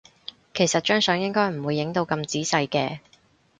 其實張相應該唔會影到咁仔細嘅